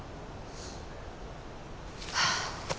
はあ。